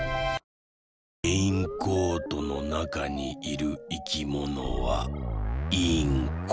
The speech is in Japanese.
レインコートのなかにいるいきものは「インコ」。